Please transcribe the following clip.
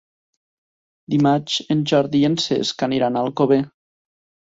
Dimarts en Jordi i en Cesc aniran a Alcover.